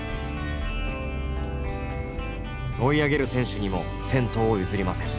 追い上げる選手にも先頭を譲りません。